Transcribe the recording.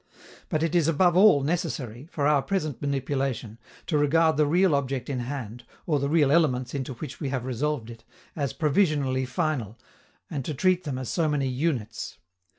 But it is above all necessary, for our present manipulation, to regard the real object in hand, or the real elements into which we have resolved it, as provisionally final, and to treat them as so many units.